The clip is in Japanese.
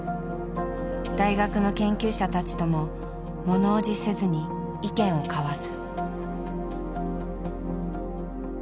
大学の研究者たちともものおじせずに意見を交わす。